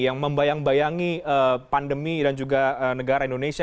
yang membayang bayangi pandemi dan juga negara indonesia